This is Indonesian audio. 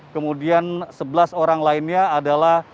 kemudian sebelas orang lainnya adalah